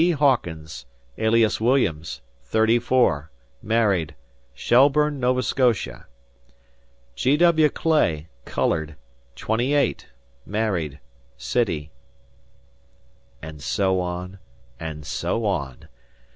Hawkins, alias Williams, 34, married, Shelbourne, Nova Scotia. "G. W. Clay, coloured, 28, married, City." And so on, and so on.